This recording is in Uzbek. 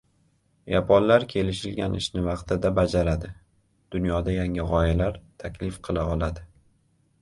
Yaponlar kelishilgan ishni vaqtida bajaradi, dunyoda yangi gʻoyalar taklif qila oladi.